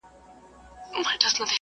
په زرګونو مي لا نور یې پوروړی ..